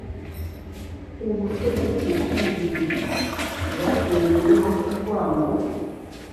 ubutegetsi bw'ububiligi bwagendeyeho ku rwango